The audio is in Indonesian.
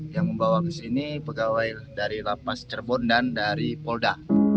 yang membawa ke sini pegawai dari lapas cirebon dan dari polda